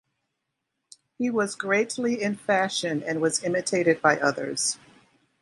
He was greatly in fashion and was imitated by others.